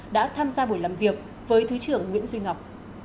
đã tham gia buổi làm việc với thứ trưởng nguyễn duy ngọc